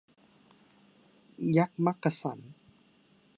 ยักษ์มักกะสัน